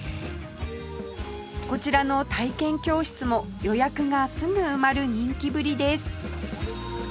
こちらの体験教室も予約がすぐ埋まる人気ぶりです